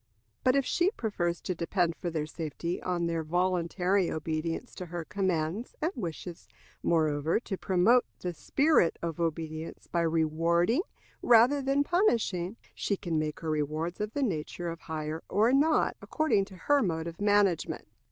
But if she prefers to depend for their safety on their voluntary obedience to her commands, and wishes, moreover, to promote the spirit of obedience by rewarding rather than punishing, she can make her rewards of the nature of hire or not, according to her mode of management.